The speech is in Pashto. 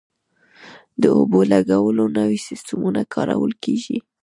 د اوبو لګولو نوي سیستمونه کارول کیږي.